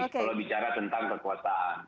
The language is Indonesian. kalau bicara tentang kekuasaan